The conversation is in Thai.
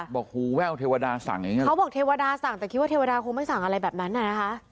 บอกหูแว่วเทวดาสั่งอย่างเงี้เขาบอกเทวดาสั่งแต่คิดว่าเทวดาคงไม่สั่งอะไรแบบนั้นน่ะนะคะ